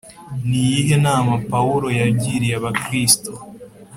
a Ni iyihe nama Pawulo yagiriye Abakristo